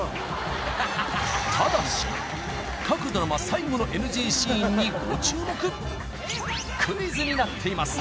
ただし各ドラマ最後のＮＧシーンにご注目クイズになっています